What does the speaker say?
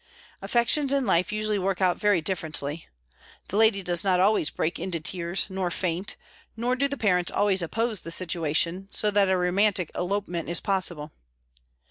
Affections in life usually work out very differently. The lady does not always break into tears, nor faint, nor do the parents always oppose the situation, so that a romantic elopement is possible.